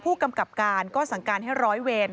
ผู้กำกับการก็สั่งการให้ร้อยเวร